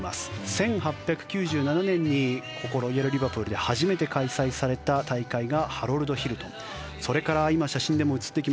１８９７年ここ、ロイヤル・リバプールで初めて開催された大会がハロルド・ヒルトン。